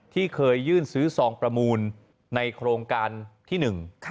ที่เคยยื่นซื้อซองประมูลในโครงการที่หนึ่ง